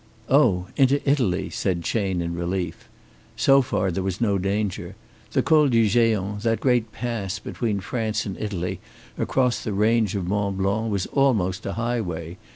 "Oh, into Italy," said Chayne, in relief. So far there was no danger. The Col du Géant, that great pass between France and Italy across the range of Mont Blanc, was almost a highway.